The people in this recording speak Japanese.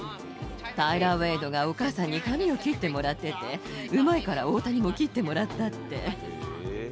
タイラー・ウェイドがお母さんに髪を切ってもらってて、うまいから大谷も切ってもらったって。